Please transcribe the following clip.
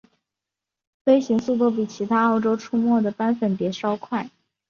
飞行速度比其他澳洲出没的斑粉蝶稍快。